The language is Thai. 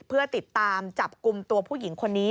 เพื่อติดตามจับกลุ่มตัวผู้หญิงคนนี้